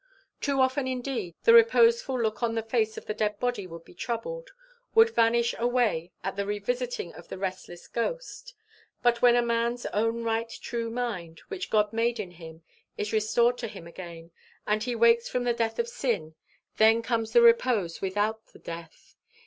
Too often indeed, the reposeful look on the face of the dead body would be troubled, would vanish away at the revisiting of the restless ghost; but when a man's own right true mind, which God made in him, is restored to him again, and he wakes from the death of sin, then comes the repose without the death.